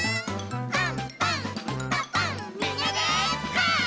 「パンパンんパパンみんなでパン！」